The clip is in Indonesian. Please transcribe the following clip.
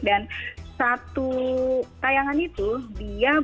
dan satu tayangan itu dia buka